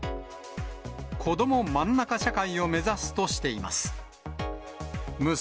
子ども真ん中社会を目指すとしています。